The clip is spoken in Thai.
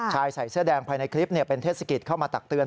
ใส่เสื้อแดงภายในคลิปเป็นเทศกิจเข้ามาตักเตือน